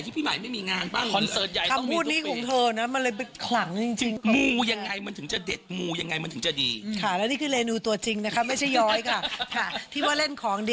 ผู้หญิงคุณเนี้ยนะครับอยู่โรงการนี้มาสามสิบปีครับ